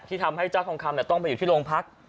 ทำให้เจ้าทองคำต้องไปอยู่ที่โรงพัก